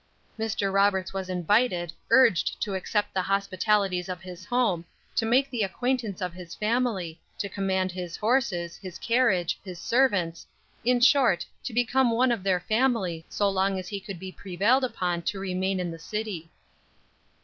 Mr. Roberts was invited, urged to accept the hospitalities of his home, to make the acquaintance of his family, to command his horses, his carriage, his servants, in short, to become one of their family so long as he could be prevailed upon to remain in the city.